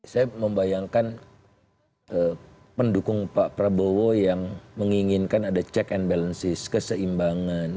saya membayangkan pendukung pak prabowo yang menginginkan ada check and balances keseimbangan